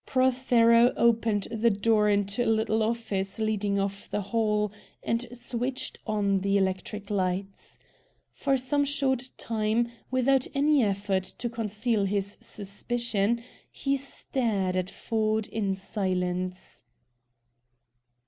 Prothero opened the door into a little office leading off the hall, and switched on the electric lights. For some short time, without any effort to conceal his suspicion, he stared at Ford in silence.